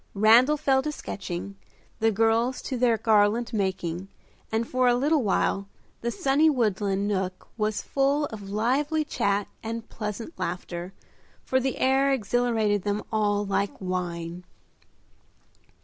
Randal fell to sketching, the girls to their garland making, and for a little while the sunny woodland nook was full of lively chat and pleasant laughter, for the air exhilarated them all like wine.